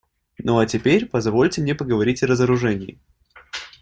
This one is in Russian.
Ну а теперь позвольте мне поговорить о разоружении.